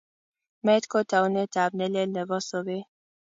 Meet ko taunetab ne lel nebo sobeet.